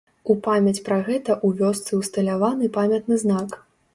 У памяць пра гэта ў вёсцы ўсталяваны памятны знак.